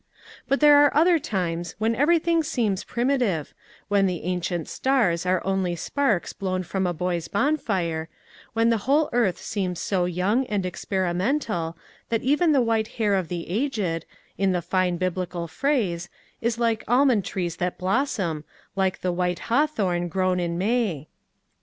But there are other times when everything seems primitive, when the ancient stars are only sparks blown from a boy's bonfire, when the whole earth seems so young and ex perimental that even the white hair of the aged, in the fine biblical phrase, is like almond trees that blossom, like the white hawthorn grown in May.